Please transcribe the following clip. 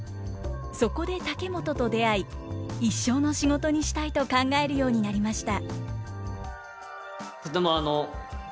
そこで竹本と出会い一生の仕事にしたいと考えるようになりました。